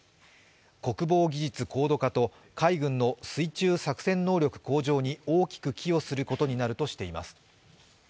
国防技術高度化と海軍の水中作戦能力向上に、大きく寄与することになります。